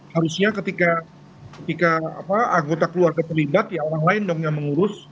harusnya ketika anggota keluarga terlibat ya orang lain dong yang mengurus